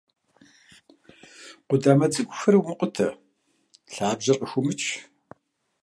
Къудамэ цӀыкӀухэр умыкъутэ, лъабжьэр къыхыумыч.